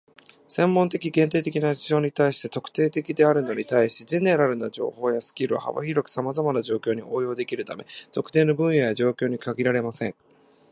専門的、限定的な事象に対して「特定的」であるのに対し、"general" な情報やスキルは幅広くさまざまな状況に応用できるため、特定の分野や状況に限られません。